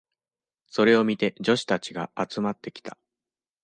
それを見て女子たちが集まってきた。